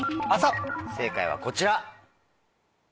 正解はこちら。